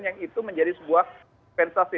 yang itu menjadi sebuah sensasi